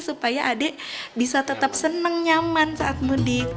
supaya adik bisa tetap senang nyaman saat mudik